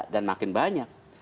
dan makin banyak